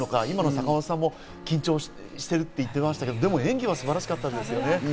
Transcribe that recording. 今の坂本さんも緊張してるって言ってましたけど、演技は素晴らしかったですよね。